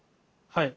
はい。